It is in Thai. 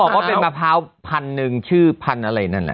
เขาบอกว่าเป็นมะพร้าวพันหนึ่งชื่อพันอะไรนั่นแหละ